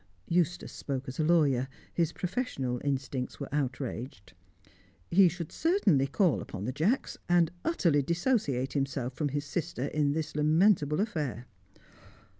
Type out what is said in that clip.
Eustace spoke as a lawyer; his professional instincts were outraged. He should certainly call upon the Jacks' and utterly dissociate himself from his sister in this lamentable affair.